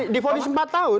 di fonis empat tahun